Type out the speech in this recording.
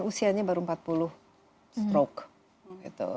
usianya baru empat puluh stroke